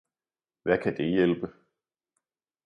Hvad kan det hjælpe!